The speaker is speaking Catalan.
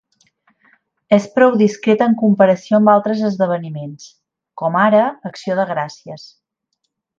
És prou discret en comparació amb altres esdeveniments, com ara Acció de Gràcies.